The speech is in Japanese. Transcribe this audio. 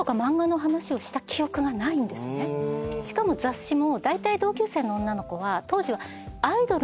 しかも雑誌も。